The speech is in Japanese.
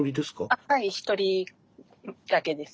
あっはい１人だけです。